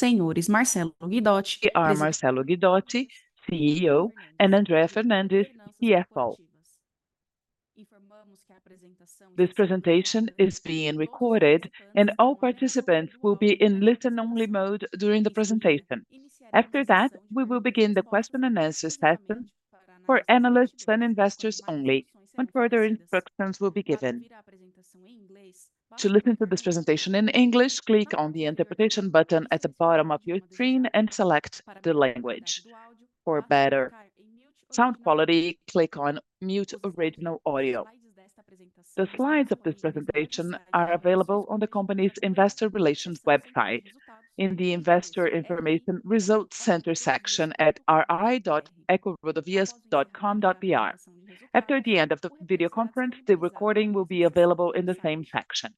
EcoRodovias Infraestrutura and Marcello Guidotti, CEO, and Andrea Fernandes, CFO. This presentation is being recorded, and all participants will be in listen-only mode during the presentation. After that, we will begin the question-and-answer session for analysts and investors only, when further instructions will be given. To listen to this presentation in English, click on the interpretation button at the bottom of your screen and select the language. For better sound quality, click on "Mute Original Audio." The slides of this presentation are available on the company's investor relations website, in the Investor Information Results Center section at ri.ecorodovias.com.br. After the end of the video conference, the recording will be available in the same section.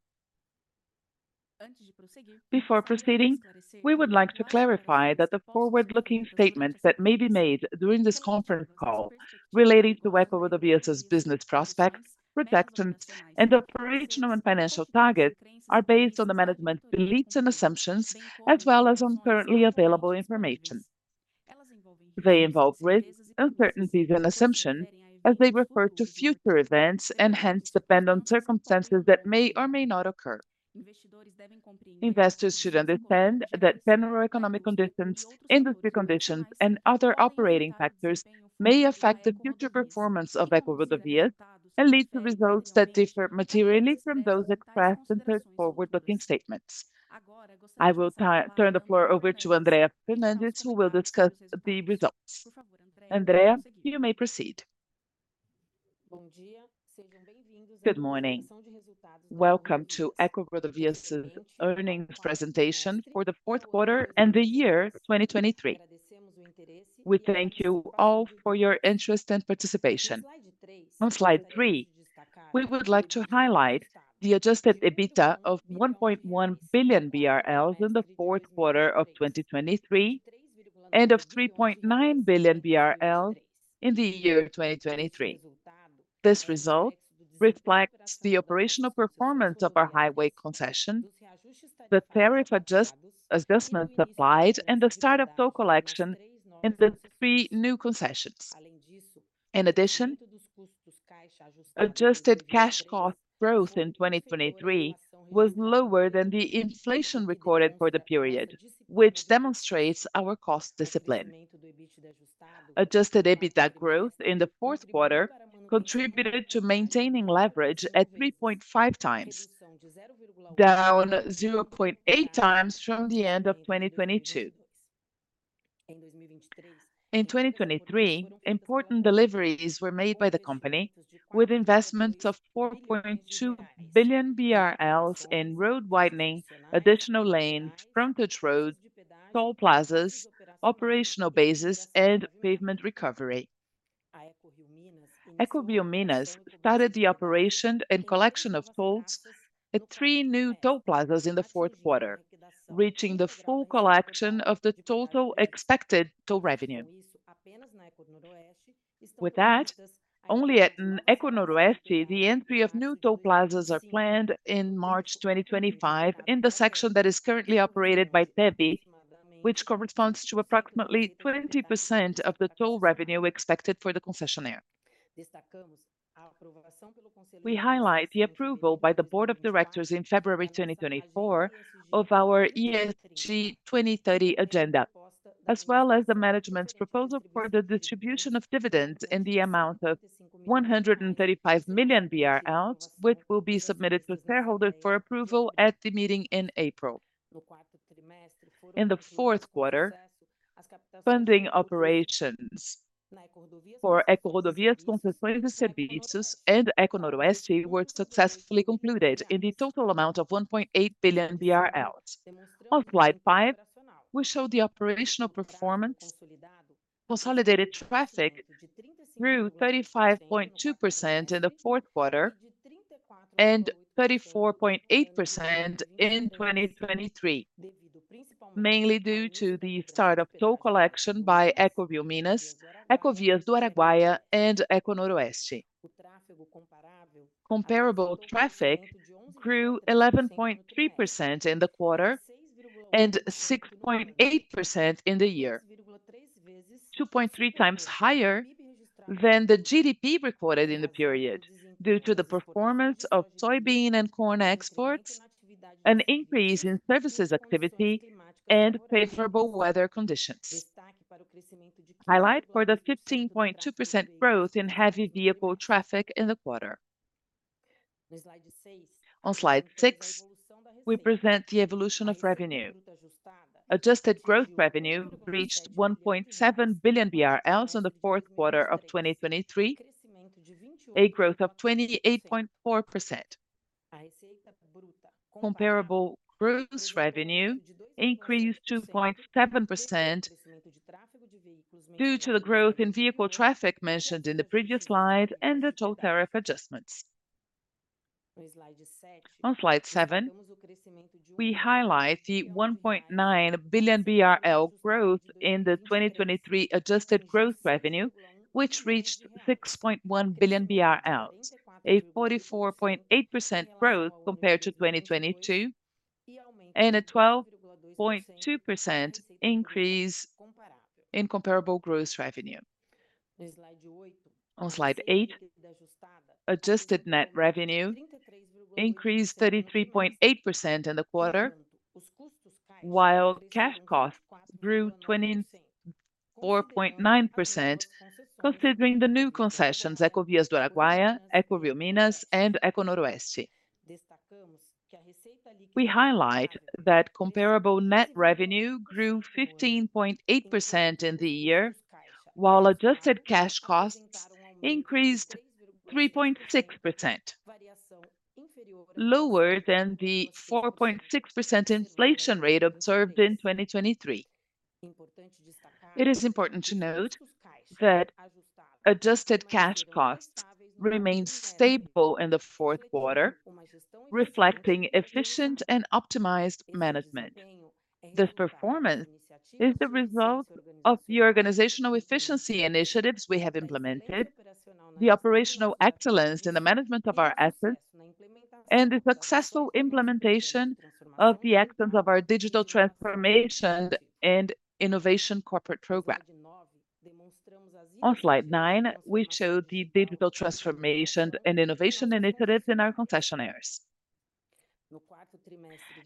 Before proceeding, we would like to clarify that the forward-looking statements that may be made during this conference call relating to EcoRodovias's business prospects, projections, and operational and financial targets are based on the management's beliefs and assumptions, as well as on currently available information. They involve risks, uncertainties, and assumptions as they refer to future events and hence depend on circumstances that may or may not occur. Investors should understand that general economic conditions, industry conditions, and other operating factors may affect the future performance of EcoRodovias and lead to results that differ materially from those expressed in those forward-looking statements. I will turn the floor over to Andrea Fernandes, who will discuss the results. Andrea, you may proceed. Good morning. Welcome to EcoRodovias' earnings presentation for the fourth quarter and the year 2023. We thank you all for your interest and participation. On slide three, we would like to highlight the Adjusted EBITDA of 1.1 billion BRL in the fourth quarter of 2023 and of 3.9 billion BRL in the year 2023. This result reflects the operational performance of our highway concession, the tariff adjustments applied, and the start of toll collection in the three new concessions. In addition, adjusted cash cost growth in 2023 was lower than the inflation recorded for the period, which demonstrates our cost discipline. Adjusted EBITDA growth in the fourth quarter contributed to maintaining leverage at 3.5x, down 0.8x from the end of 2022. In 2023, important deliveries were made by the company, with investments of 4.2 billion BRL in road widening, additional lanes, frontage roads, toll plazas, operational bases, and pavement recovery. EcoRioMinas started the operation and collection of tolls at three new toll plazas in the fourth quarter, reaching the full collection of the total expected toll revenue. With that, only at EcoNoroeste the entry of new toll plazas is planned in March 2025 in the section that is currently operated by TEBE, which corresponds to approximately 20% of the toll revenue expected for the concessionaire. We highlight the approval by the Board of Directors in February 2024 of our ESG 2030 Agenda, as well as the management's proposal for the distribution of dividends in the amount of 135 million BRL, which will be submitted to shareholders for approval at the meeting in April. In the fourth quarter, funding operations for EcoRodovias Concessões e Serviços and EcoNoroeste were successfully concluded in the total amount of 1.8 billion BRL. On slide five, we show the operational performance: consolidated traffic grew 35.2% in the fourth quarter and 34.8% in 2023, mainly due to the start of toll collection by EcoRioMinas, Ecovias do Araguaia, and EcoNoroeste. Comparable traffic grew 11.3% in the quarter and 6.8% in the year, 2.3x higher than the GDP recorded in the period, due to the performance of soybean and corn exports, an increase in services activity, and favorable weather conditions. Highlight for the 15.2% growth in heavy vehicle traffic in the quarter. On slide six, we present the evolution of revenue. Adjusted gross revenue reached 1.7 billion BRL in the fourth quarter of 2023, a growth of 28.4%. Comparable gross revenue increased 2.7% due to the growth in vehicle traffic mentioned in the previous slide and the toll tariff adjustments. On slide seven, we highlight the 1.9 billion BRL growth in the 2023 adjusted gross revenue, which reached 6.1 billion BRL, a 44.8% growth compared to 2022, and a 12.2% increase in comparable gross revenue. On slide eight, adjusted net revenue increased 33.8% in the quarter, while cash cost grew 24.9% considering the new concessions Ecovias do Araguaia, EcoRioMinas and EcoNoroeste. We highlight that comparable net revenue grew 15.8% in the year, while adjusted cash cost increased 3.6%, lower than the 4.6% inflation rate observed in 2023. It is important to note that adjusted cash cost remains stable in the fourth quarter, reflecting efficient and optimized management. This performance is the result of the organizational efficiency initiatives we have implemented, the operational excellence in the management of our assets, and the successful implementation of the actions of our digital transformation and innovation corporate program. On slide nine, we show the digital transformation and innovation initiatives in our concessionaires.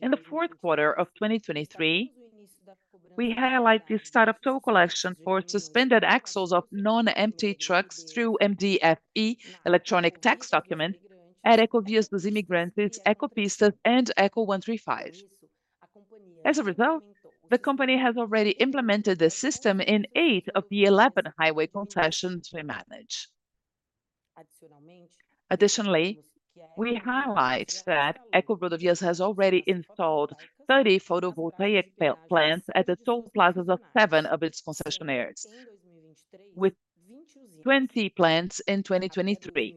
In the fourth quarter of 2023, we highlight the start of toll collection for suspended axles of non-empty trucks through MDF-e electronic tax document at Ecovias dos Imigrantes, Ecopistas, and Eco135. As a result, the company has already implemented the system in eight of the 11 highway concessions we manage. Additionally, we highlight that EcoRodovias has already installed 30 photovoltaic plants at the toll plazas of seven of its concessionaires, with 20 plants in 2023.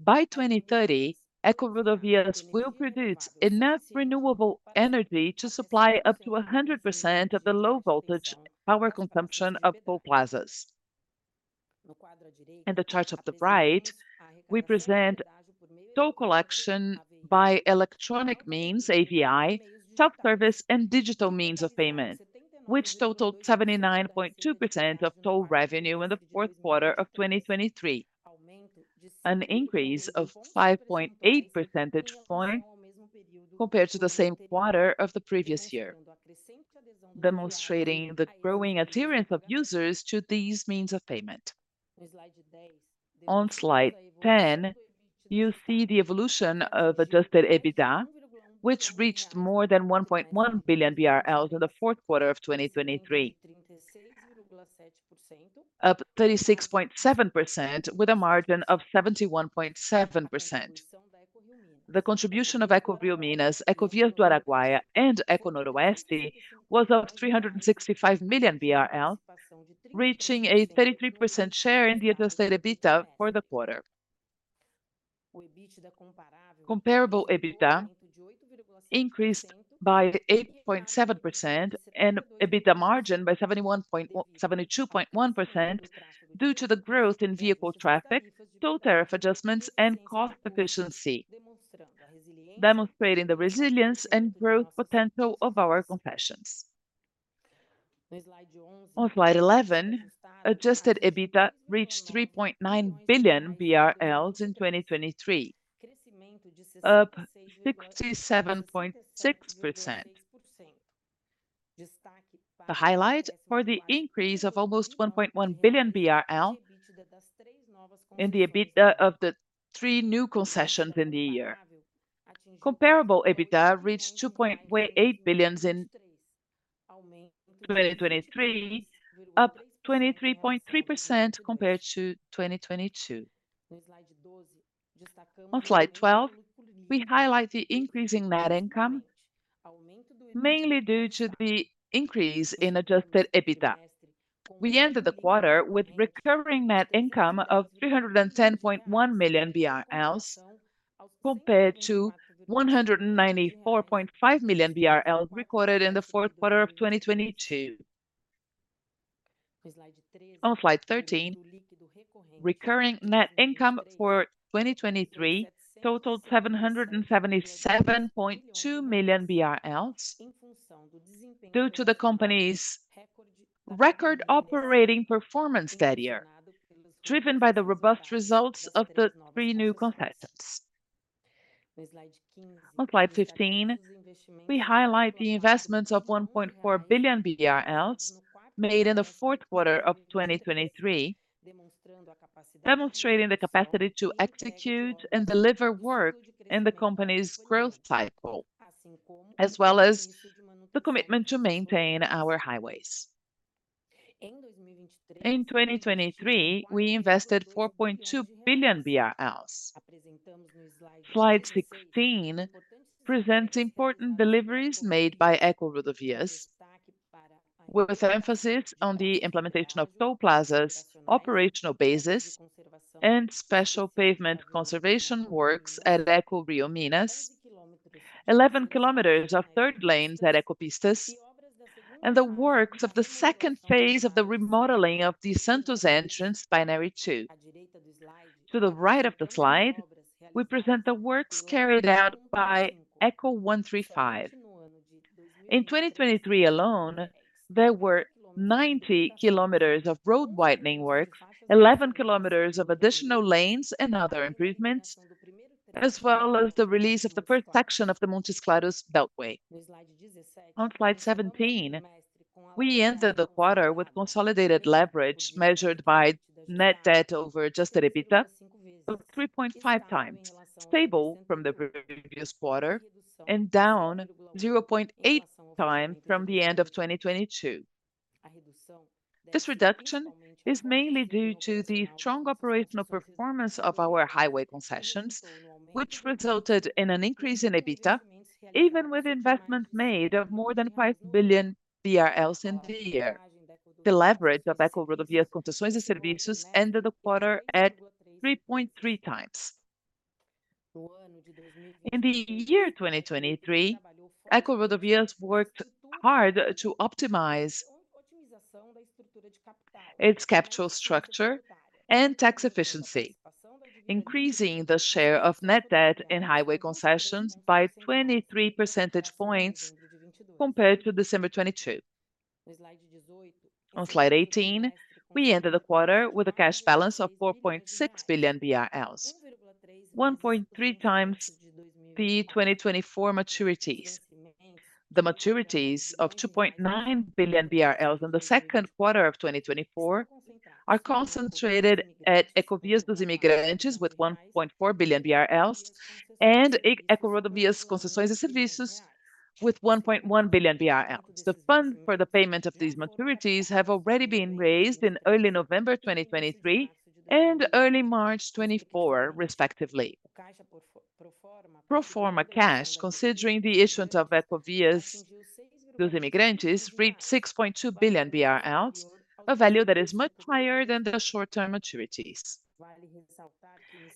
By 2030, EcoRodovias will produce enough renewable energy to supply up to 100% of the low-voltage power consumption of toll plazas. In the chart on the right, we present toll collection by electronic means (AVI), self-service, and digital means of payment, which totaled 79.2% of toll revenue in the fourth quarter of 2023, an increase of 5.8 percentage points compared to the same quarter of the previous year, demonstrating the growing adherence of users to these means of payment. On slide 10, you see the evolution of adjusted EBITDA, which reached more than 1.1 billion BRL in the fourth quarter of 2023, up 36.7% with a margin of 71.7%. The contribution of EcoRioMinas, Ecovias do Araguaia, and EcoNoroeste was of 365 million BRL, reaching a 33% share in the adjusted EBITDA for the quarter. Comparable EBITDA increased by 8.7% and EBITDA margin by 72.1% due to the growth in vehicle traffic, toll tariff adjustments, and cost efficiency, demonstrating the resilience and growth potential of our concessions. On slide 11, adjusted EBITDA reached 3.9 billion BRL in 2023, up 67.6%. The highlight is the increase of almost 1.1 billion BRL in the EBITDA of the three new concessions in the year. Comparable EBITDA reached 2.8 billion in 2023, up 23.3% compared to 2022. On slide 12, we highlight the increase in net income, mainly due to the increase in adjusted EBITDA. We ended the quarter with recurring net income of 310.1 million BRL compared to 194.5 million BRL recorded in the fourth quarter of 2022. On slide 13, recurring net income for 2023 totaled 777.2 million BRL due to the company's record operating performance that year, driven by the robust results of the three new concessions. On slide 15, we highlight the investments of 1.4 billion made in the fourth quarter of 2023, demonstrating the capacity to execute and deliver work in the company's growth cycle, as well as the commitment to maintain our highways. In 2023, we invested 4.2 billion BRL. Slide 16 presents important deliveries made by EcoRodovias, with emphasis on the implementation of toll plazas, operational bases, and special pavement conservation works at EcoRioMinas, 11 km of third lanes at Ecopistas, and the works of the second phase of the remodeling of the Santos Entrance Binary II. To the right of the slide, we present the works carried out by Eco135. In 2023 alone, there were 90 km of road widening works, 11 km of additional lanes, and other improvements, as well as the release of the first section of the Montes Claros Beltway. On slide 17, we ended the quarter with consolidated leverage measured by Net Debt over Adjusted EBITDA, up 3.5x, stable from the previous quarter, and down 0.8x from the end of 2022. This reduction is mainly due to the strong operational performance of our highway concessions, which resulted in an increase in EBITDA, even with investments made of more than 5 billion BRL in the year. The leverage of EcoRodovias Concessões e Serviços ended the quarter at 3.3x. In the year 2023, EcoRodovias worked hard to optimize its capital structure and tax efficiency, increasing the share of Net Debt in highway concessions by 23 percentage points compared to December 2022. On slide 18, we ended the quarter with a cash balance of 4.6 billion BRL, 1.3x the 2024 maturities. The maturities of 2.9 billion BRL in the second quarter of 2024 are concentrated at Ecovias dos Imigrantes with 1.4 billion BRL and EcoRodovias Concessões e Serviços with 1.1 billion BRL. The funds for the payment of these maturities have already been raised in early November 2023 and early March 2024, respectively. Pro forma cash, considering the issuance of Ecovias dos Imigrantes, reached 6.2 billion BRL, a value that is much higher than the short-term maturities.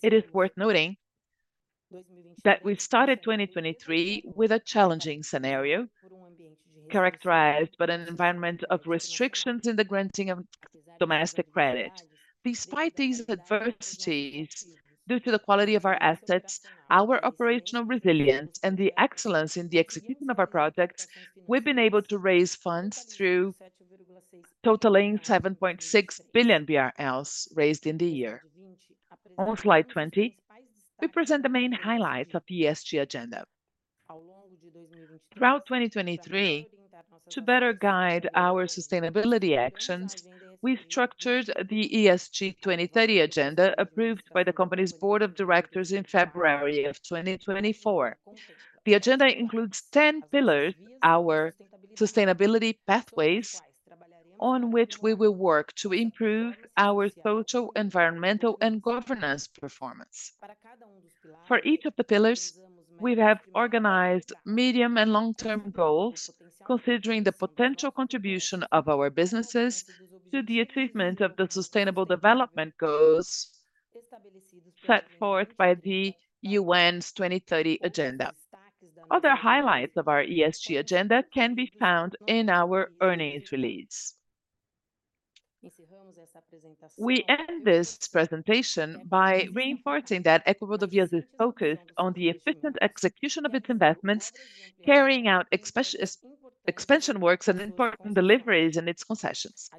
It is worth noting that we started 2023 with a challenging scenario, characterized by an environment of restrictions in the granting of domestic credit. Despite these adversities, due to the quality of our assets, our operational resilience, and the excellence in the execution of our projects, we have been able to raise funds through totaling 7.6 billion BRL raised in the year. On slide 20, we present the main highlights of the ESG agenda. Throughout 2023, to better guide our sustainability actions, we structured the ESG 2030 Agenda approved by the company's board of directors in February of 2024. The agenda includes 10 pillars, our sustainability pathways, on which we will work to improve our social, environmental, and governance performance. For each of the pillars, we have organized medium and long-term goals, considering the potential contribution of our businesses to the achievement of the sustainable development goals set forth by the UN's 2030 Agenda. Other highlights of our ESG agenda can be found in our earnings release. We end this presentation by reinforcing that EcoRodovias is focused on the efficient execution of its investments, carrying out expansion works, and important deliveries in its concessions.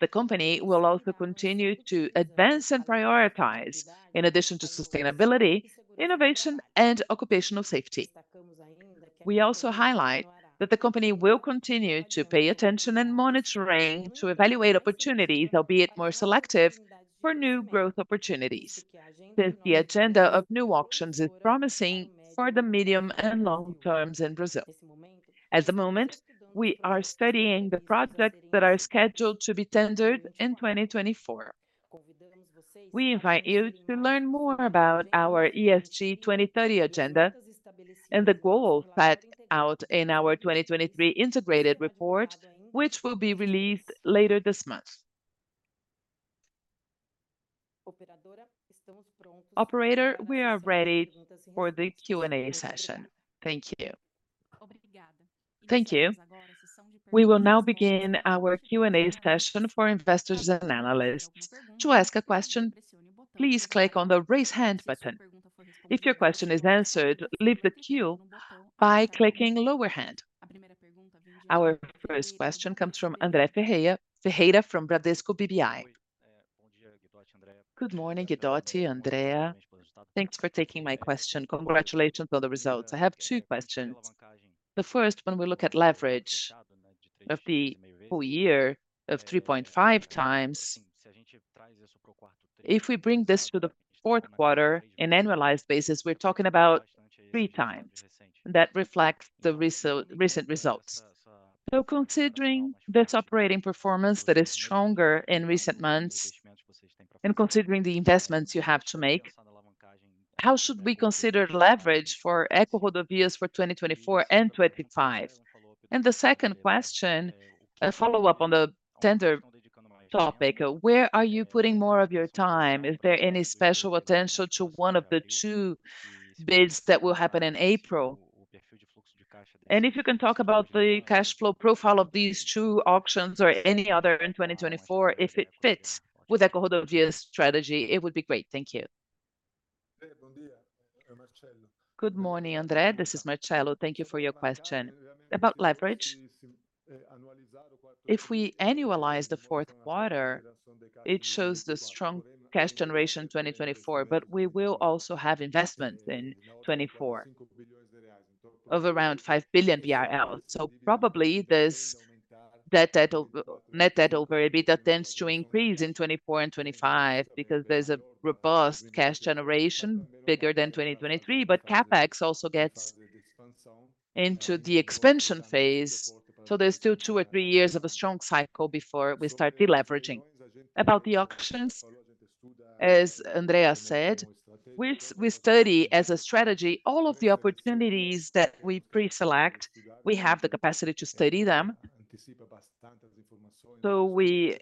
The company will also continue to advance and prioritize, in addition to sustainability, innovation, and occupational safety. We also highlight that the company will continue to pay attention and monitoring to evaluate opportunities, albeit more selective, for new growth opportunities, since the agenda of new auctions is promising for the medium and long terms in Brazil. At the moment, we are studying the projects that are scheduled to be tendered in 2024. We invite you to learn more about our ESG 2030 Agenda and the goals set out in our 2023 integrated report, which will be released later this month. Operator, we are ready for the Q&A session. Thank you. Thank you. We will now begin our Q&A session for investors and analysts. To ask a question, please click on the raise hand button. If your question is answered, leave the queue by clicking lower hand. Our first question comes from André Ferreira, from Bradesco BBI. Good morning, Guidotti. André, thanks for taking my question. Congratulations on the results. I have two questions. The first, when we look at leverage of the full year of 3.5x, if we bring this to the fourth quarter in annualized basis, we're talking about 3x. That reflects the recent results. Considering this operating performance that is stronger in recent months and considering the investments you have to make, how should we consider leverage for EcoRodovias for 2024 and 2025? The second question, a follow-up on the tender topic: where are you putting more of your time? Is there any special attention to one of the two bids that will happen in April? If you can talk about the cash flow profile of these two auctions or any other in 2024, if it fits with EcoRodovias' strategy, it would be great. Thank you. Good morning, André. This is Marcello. Thank you for your question. About leverage, if we annualize the fourth quarter, it shows the strong cash generation 2024, but we will also have investments in 2024 of around 5 billion BRL. So, probably this net debt over EBITDA tends to increase in 2024 and 2025 because there's a robust cash generation bigger than 2023, but CapEx also gets into the expansion phase. So, there's still two or three years of a strong cycle before we start deleveraging. About the auctions, as André said, we study as a strategy all of the opportunities that we preselect. We have the capacity to study them. So, we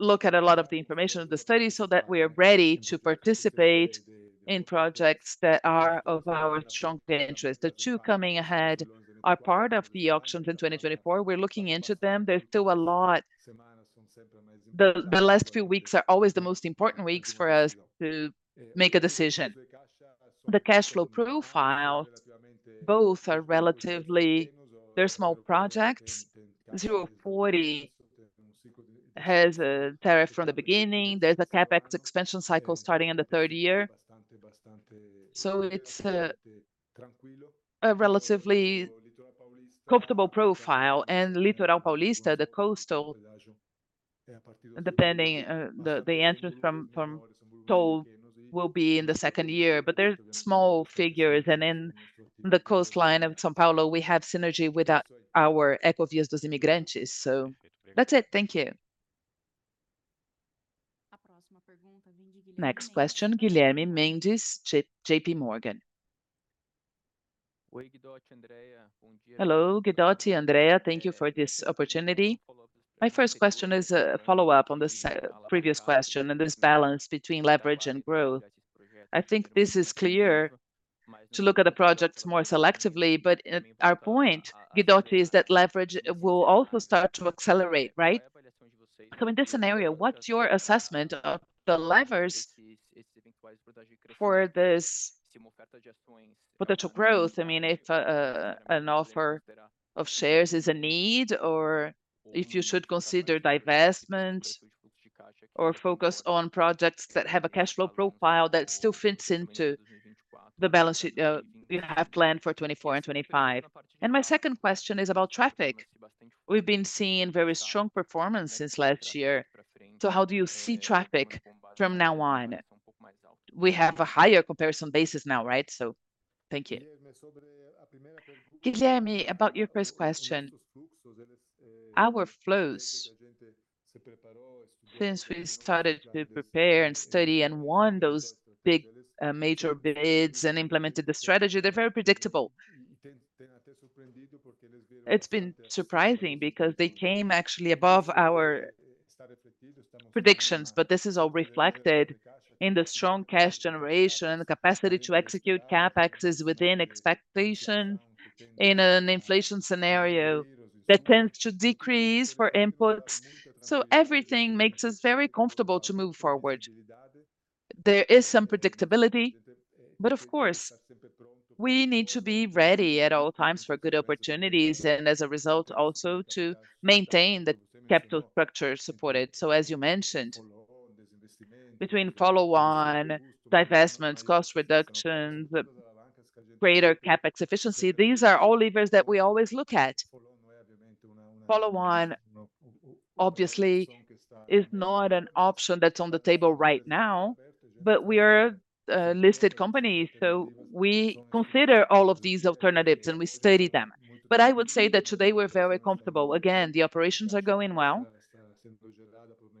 look at a lot of the information of the study so that we are ready to participate in projects that are of our strong interest. The two coming ahead are part of the auctions in 2024. We're looking into them. There's still a lot. The last few weeks are always the most important weeks for us to make a decision. The cash flow profile, both are relatively small projects. 040 has a tariff from the beginning. There's a CapEx expansion cycle starting in the third year. So, it's a relatively comfortable profile. And Litoral Paulista, the coastal, depending on the entrance from toll, will be in the second year. But there's small figures. And in the coastline of São Paulo, we have synergy with our Ecovias dos Imigrantes. So, that's it. Thank you. Next question, Guilherme Mendes, J.P. Morgan. Hello, Guidotti. Andrea, thank you for this opportunity. My first question is a follow-up on the previous question and this balance between leverage and growth. I think this is clear to look at the projects more selectively. But our point, Guidotti, is that leverage will also start to accelerate, right? So, in this scenario, what's your assessment of the levers for this potential growth? I mean, if an offer of shares is a need, or if you should consider divestment or focus on projects that have a cash flow profile that still fits into the balance sheet you have planned for 2024 and 2025? And my second question is about traffic. We've been seeing very strong performance since last year. So, how do you see traffic from now on? We have a higher comparison basis now, right? So, thank you. Guilherme, about your first question. Our flows, since we started to prepare and study and won those big major bids and implemented the strategy, they're very predictable. It's been surprising because they came actually above our predictions. But this is all reflected in the strong cash generation and the capacity to execute CapExes within expectations in an inflation scenario that tends to decrease for inputs. So, everything makes us very comfortable to move forward. There is some predictability. But, of course, we need to be ready at all times for good opportunities and, as a result, also to maintain the capital structure supported. So, as you mentioned, between follow-on, divestments, cost reductions, greater CapEx efficiency, these are all levers that we always look at. Follow-on, obviously, is not an option that's on the table right now. But we are a listed company, so we consider all of these alternatives and we study them. But I would say that today we're very comfortable. Again, the operations are going well.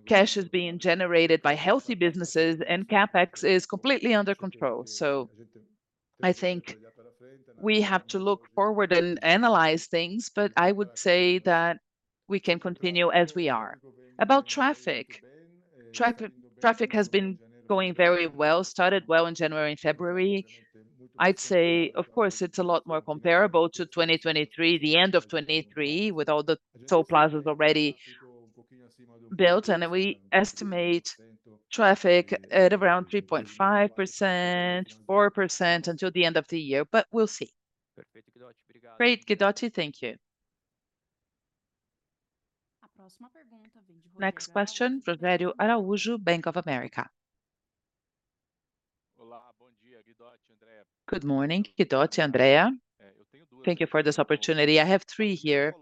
Cash is being generated by healthy businesses, and CapEx is completely under control. So, I think we have to look forward and analyze things. But I would say that we can continue as we are. About traffic, traffic has been going very well, started well in January and February. I'd say, of course, it's a lot more comparable to 2023, the end of 2023, with all the toll plazas already built. And we estimate traffic at around 3.5%-4% until the end of the year. But we'll see. Great, Guidotti. Thank you. Next question, Rogério Araújo, Bank of America. Good morning, Guidotti. André, thank you for this opportunity. I have three here.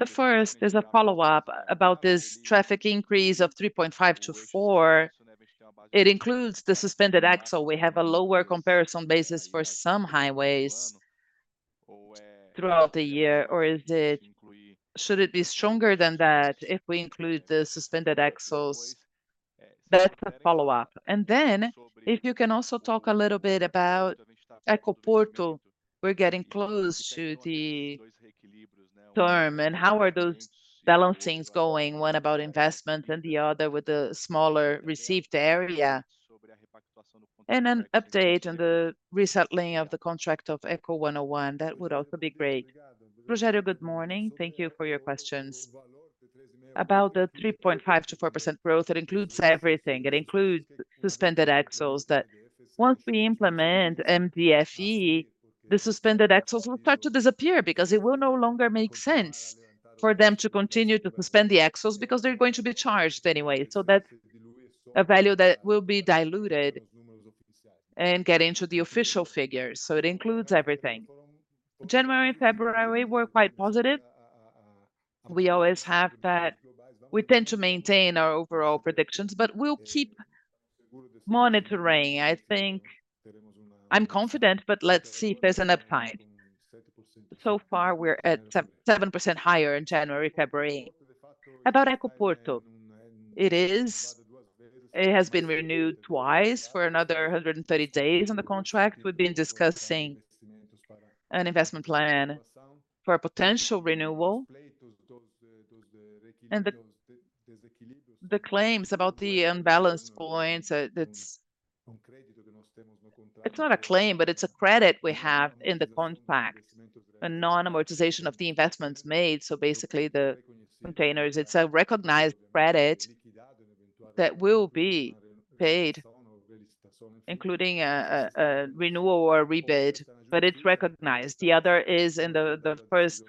The first is a follow-up about this traffic increase of 3.5%-4%. It includes the suspended axle. We have a lower comparison basis for some highways throughout the year. Or should it be stronger than that if we include the suspended axles? That's a follow-up. And then, if you can also talk a little bit about Ecoporto, we're getting close to the term. And how are those balancings going, one about investments and the other with the smaller received area? And an update on the resettling of the contract of Eco101, that would also be great. Rogério, good morning. Thank you for your questions. About the 3.5%-4% growth, it includes everything. It includes suspended axles. Once we implement MDF-e, the suspended axles will start to disappear because it will no longer make sense for them to continue to suspend the axles because they're going to be charged anyway. So, that's a value that will be diluted and get into the official figures. So, it includes everything. January and February, we were quite positive. We always have that. We tend to maintain our overall predictions. But we'll keep monitoring. I think I'm confident, but let's see if there's an upside. So far, we're at 7% higher in January, February. About Ecoporto, it has been renewed twice for another 130 days on the contract. We've been discussing an investment plan for a potential renewal. And the claims about the unbalanced points, it's not a claim, but it's a credit we have in the contract, a non-amortization of the investments made. So, basically, the containers, it's a recognized credit that will be paid, including a renewal or a rebid. But it's recognized. The other is in the first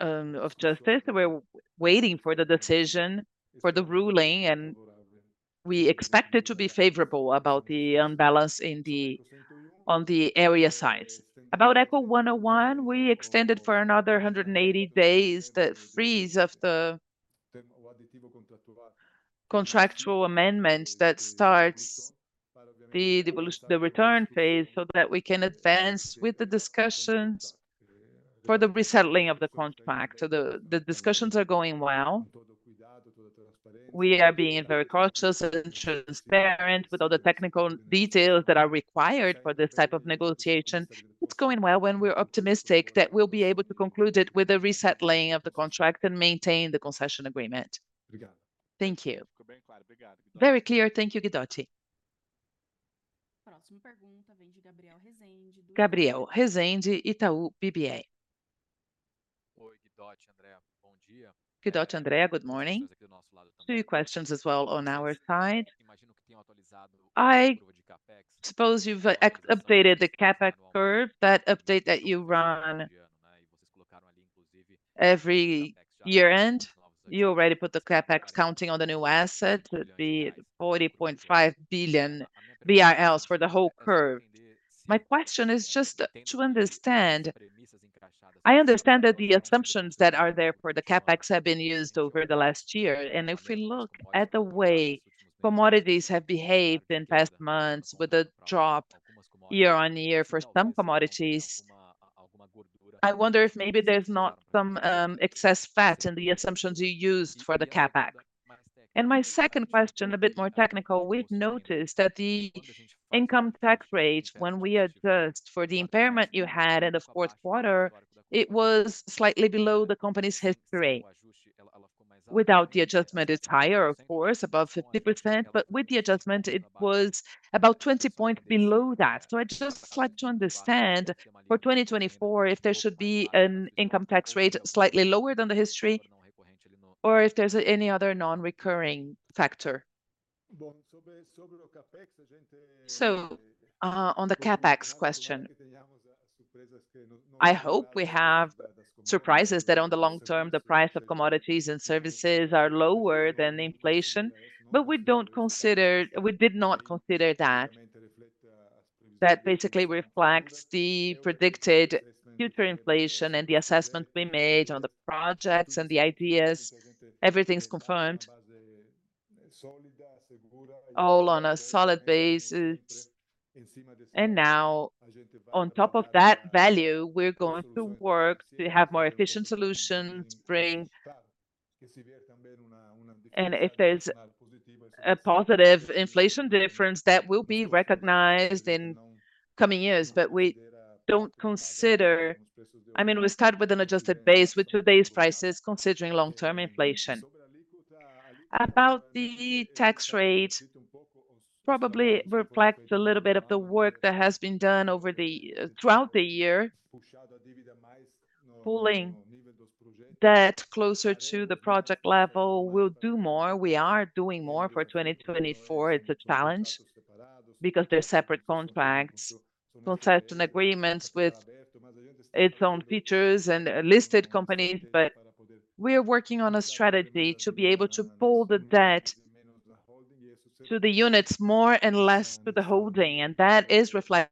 courts of justice. We're waiting for the decision, for the ruling. And we expect it to be favorable about the unbalance on the area side. About Eco101, we extended for another 180 days the freeze of the contractual amendment that starts the return phase so that we can advance with the discussions for the resettling of the contract. The discussions are going well. We are being very cautious and transparent with all the technical details that are required for this type of negotiation. It's going well when we're optimistic that we'll be able to conclude it with a resettling of the contract and maintain the concession agreement. Thank you. Very clear. Thank you, Guidotti. Gabriel Rezende, Itaú BBA. Oi, Guidotti. André, bom dia. Good morning. Two questions as well on our side. I suppose you've updated the CapEx curve. That update that you run. E vocês colocaram ali, inclusive. Every year-end, you already put the CapEx counting on the new asset. It would be 40.5 billion for the whole curve. My question is just to understand. I understand that the assumptions that are there for the CapEx have been used over the last year. And if we look at the way commodities have behaved in past months with a drop year-on-year for some commodities, I wonder if maybe there's not some excess fat in the assumptions you used for the CapEx. And my second question, a bit more technical, we've noticed that the income tax rate, when we adjust for the impairment you had in the fourth quarter, it was slightly below the company's history. Without the adjustment, it's higher, of course, above 50%. But with the adjustment, it was about 20 points below that. So, I'd just like to understand for 2024 if there should be an income tax rate slightly lower than the history or if there's any other non-recurring factor. So, on the CapEx question, I hope we have surprises that on the long term, the price of commodities and services are lower than inflation. But we did not consider that. That basically reflects the predicted future inflation and the assessment we made on the projects and the ideas. Everything's confirmed all on a solid basis. And now, on top of that value, we're going to work to have more efficient solutions. And if there's a positive inflation difference, that will be recognized in coming years. But we don't consider, I mean, we start with an adjusted base with today's prices, considering long-term inflation. About the tax rate, probably reflects a little bit of the work that has been done throughout the year. Pulling debt closer to the project level will do more. We are doing more for 2024. It's a challenge because there are separate contracts, concession agreements with its own features and listed companies. But we are working on a strategy to be able to pull the debt to the units more and less to the holding. And that is reflected.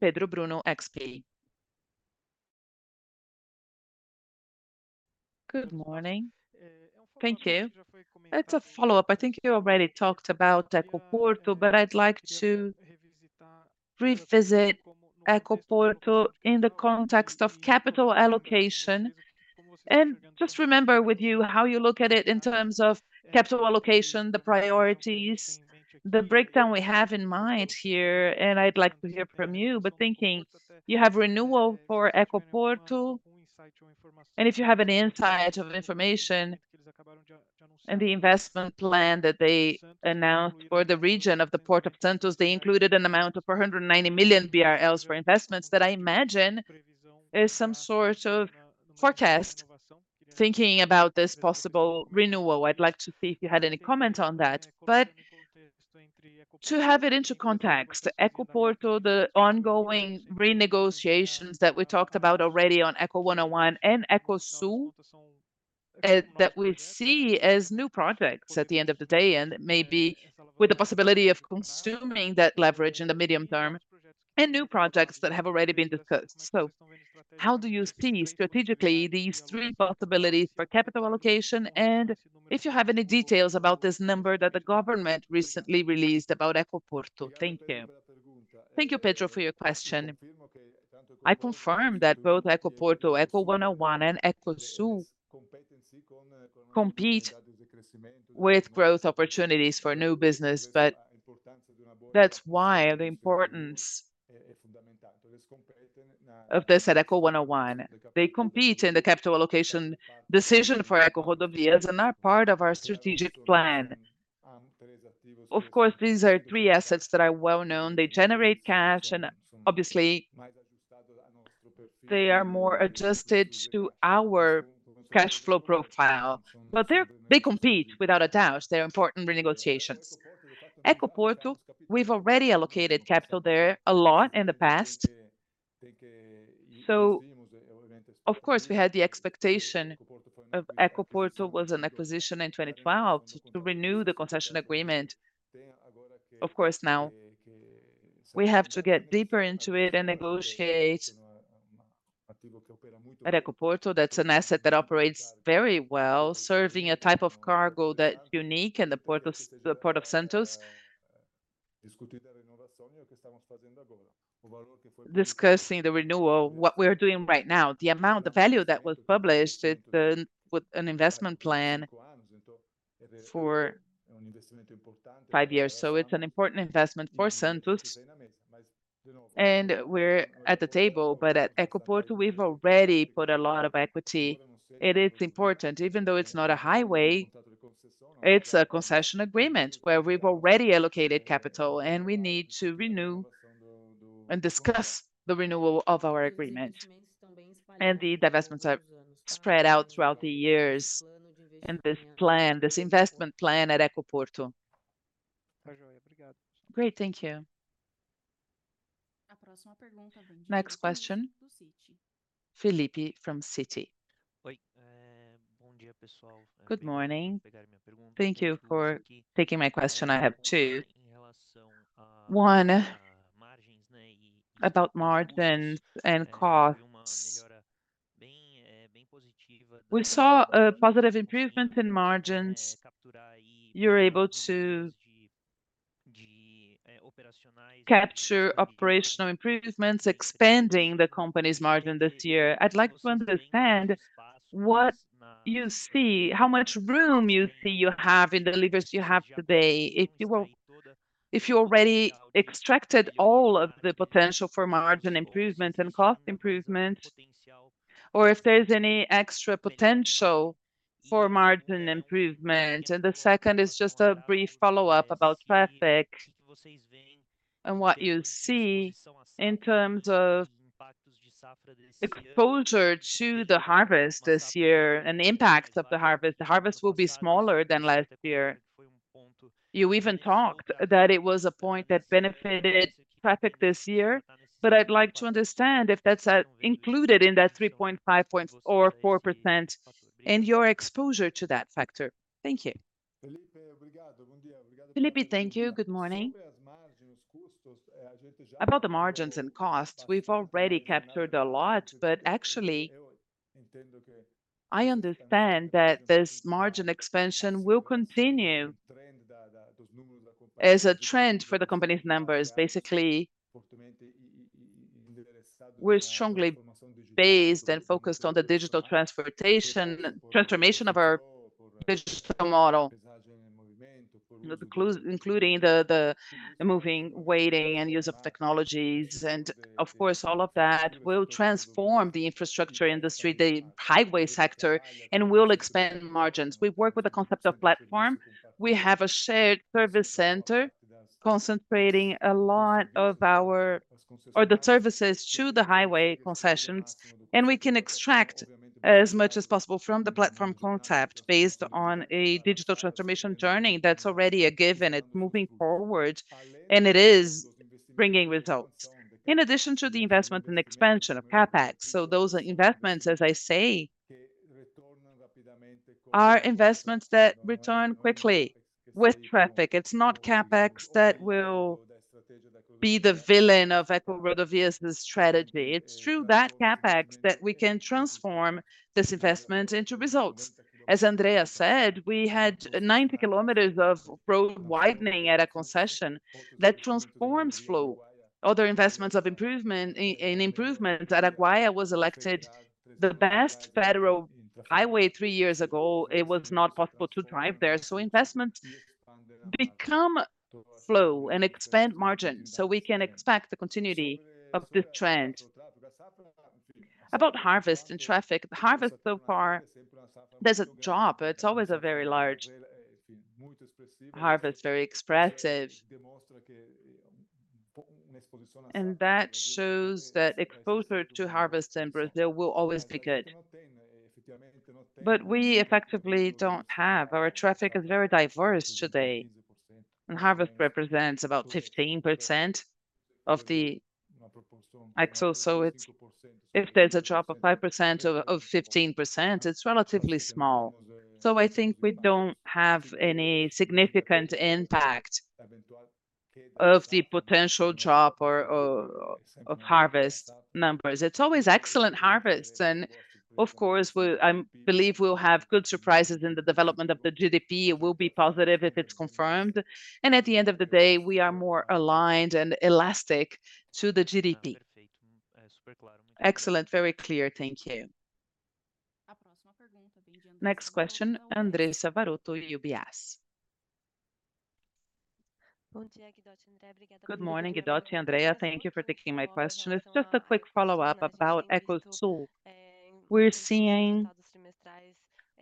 Pedro Bruno from XP. Good morning. Thank you. That's a follow-up. I think you already talked about Ecoporto, but I'd like to revisit Ecoporto in the context of capital allocation. And just remember with you how you look at it in terms of capital allocation, the priorities, the breakdown we have in mind here. And I'd like to hear from you. But thinking you have renewal for Ecoporto, and if you have any insight of information and the investment plan that they announced for the region of the Port of Santos, they included an amount of 490 million BRL for investments that I imagine is some sort of forecast. Thinking about this possible renewal, I'd like to see if you had any comment on that. But to have it into context, Ecoporto, the ongoing renegotiations that we talked about already on Eco101 and Ecosul that we see as new projects at the end of the day, and maybe with the possibility of consuming that leverage in the medium term and new projects that have already been discussed. So, how do you see strategically these three possibilities for capital allocation? And if you have any details about this number that the government recently released about Ecoporto, thank you. Thank you, Pedro, for your question. I confirm that both Ecoporto, Eco101, and Ecosul compete with growth opportunities for new business. But that's why the importance of this at Eco101. They compete in the capital allocation decision for EcoRodovias and are part of our strategic plan. Of course, these are three assets that are well known. They generate cash, and obviously, they are more adjusted to our cash flow profile. But they compete without a doubt. They're important renegotiations. Ecoporto, we've already allocated capital there a lot in the past. So, of course, we had the expectation of Ecoporto was an acquisition in 2012 to renew the concession agreement. Of course, now we have to get deeper into it and negotiate. But Ecoporto, that's an asset that operates very well, serving a type of cargo that's unique in the Port of Santos. Discussing the renewal, what we are doing right now, the amount, the value that was published with an investment plan for five years. So, it's an important investment for Santos. And we're at the table. But at Ecoporto, we've already put a lot of equity. It's important, even though it's not a highway, it's a concession agreement where we've already allocated capital. We need to renew and discuss the renewal of our agreement. The investments are spread out throughout the years. This plan, this investment plan at Ecoporto. Great. Thank you. Next question, Filipe from Citi. Good morning. Thank you for taking my question. I have two. One, about margins and cost. We saw positive improvements in margins. You're able to capture operational improvements, expanding the company's margin this year. I'd like to understand what you see, how much room you see you have in the levers you have today. If you already extracted all of the potential for margin improvements and cost improvements, or if there's any extra potential for margin improvements. And the second is just a brief follow-up about traffic and what you see in terms of exposure to the harvest this year and the impacts of the harvest. The harvest will be smaller than last year. You even talked that it was a point that benefited traffic this year. But I'd like to understand if that's included in that 3.5%-4% in your exposure to that factor. Thank you. Filipe, thank you. Good morning. About the margins and costs, we've already captured a lot. But actually, I understand that this margin expansion will continue as a trend for the company's numbers. Basically, we're strongly based and focused on the digital transformation of our digital model, including the moving, weighting, and use of technologies. And of course, all of that will transform the infrastructure industry, the highway sector, and will expand margins. We work with the concept of platform. We have a shared service center concentrating a lot of our services to the highway concessions. We can extract as much as possible from the platform concept based on a digital transformation journey that's already a given. It's moving forward, and it is bringing results, in addition to the investment and expansion of CapEx. Those investments, as I say, are investments that return quickly with traffic. It's not CapEx that will be the villain of EcoRodovias' strategy. It's through that CapEx that we can transform this investment into results. As Andrea said, we had 90 km of road widening at a concession that transforms flow. Other investments of improvement in improvement. Araguaia was elected the best federal highway three years ago. It was not possible to drive there. Investments become flow and expand margins. We can expect the continuity of this trend. About harvest and traffic, the harvest so far, there's a drop. It's always a very large harvest, very expressive. That shows that exposure to harvest in Brazil will always be good. But we effectively don't have. Our traffic is very diverse today. Harvest represents about 15% of the ECO. If there's a drop of 5% of 15%, it's relatively small. I think we don't have any significant impact of the potential drop or of harvest numbers. It's always excellent harvests. Of course, I believe we'll have good surprises in the development of the GDP. It will be positive if it's confirmed. At the end of the day, we are more aligned and elastic to the GDP. Excellent. Very clear. Thank you. Next question, Andressa Varotto, UBS. Good morning, Guidotti. Andrea, thank you for taking my question. It's just a quick follow-up about Ecosul. We're seeing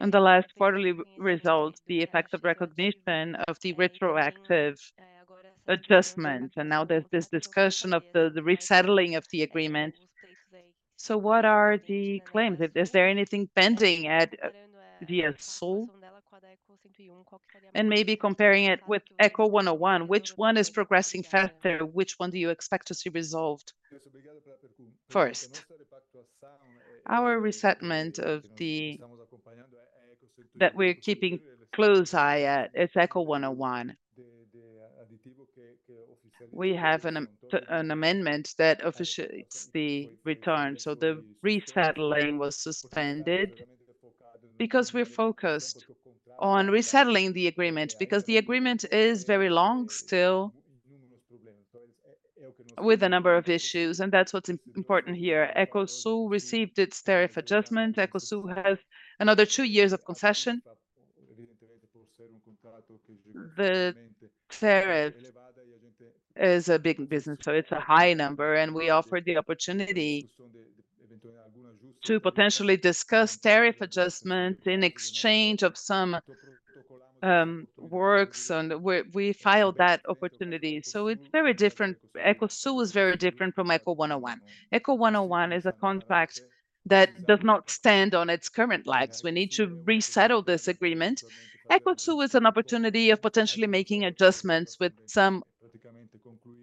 in the last quarterly results the effect of recognition of the retroactive adjustment. And now there's this discussion of the resettling of the agreement. So what are the claims? Is there anything pending via Ecosul? And maybe comparing it with Eco101, which one is progressing faster? Which one do you expect to see resolved first? Our resettlement that we're keeping close eye at is Eco101. We have an amendment that officiates the return. So the resettling was suspended because we're focused on resettling the agreement, because the agreement is very long still with a number of issues. And that's what's important here. Ecosul received its tariff adjustment. Ecosul has another two years of concession. The tariff is a big business. So it's a high number. And we offered the opportunity to potentially discuss tariff adjustments in exchange of some works. And we filed that opportunity. So it's very different. Ecosul is very different from Eco101. Eco101 is a contract that does not stand on its current legs. We need to resettle this agreement. Ecosul is an opportunity of potentially making adjustments with some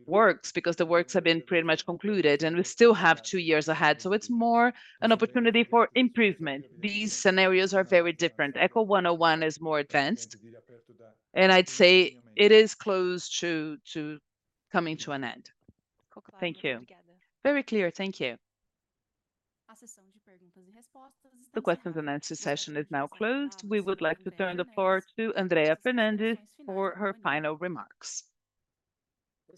works because the works have been pretty much concluded. And we still have two years ahead. So it's more an opportunity for improvement. These scenarios are very different. Eco101 is more advanced. And I'd say it is close to coming to an end. Thank you. Very clear. Thank you. The questions and answers session is now closed. We would like to turn the floor to Andrea Fernandes for her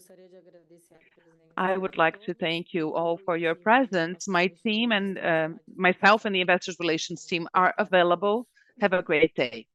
final remarks. I would like to thank you all for your presence. My team and myself and the investors' relations team are available. Have a great day.